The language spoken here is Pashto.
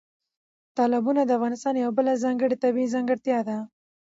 تالابونه د افغانستان یوه بله ځانګړې طبیعي ځانګړتیا ده.